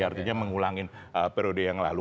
artinya mengulangi periode yang lalu